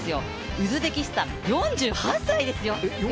ウズベキスタン、４８歳ですよ。